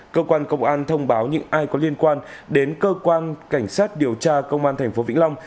cơ quan công an thông báo những ai có liên quan đến cơ quan cảnh sát điều tra công an tp vĩnh long